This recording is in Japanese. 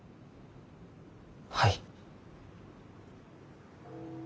はい。